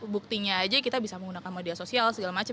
buktinya aja kita bisa menggunakan media sosial segala macam